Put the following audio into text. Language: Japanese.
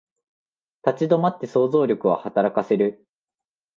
立ち止まって想像力を働かせる